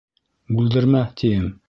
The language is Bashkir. Бүлдермә, тием!